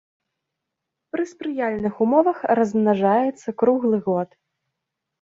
Пры спрыяльных умовах размнажаецца круглы год.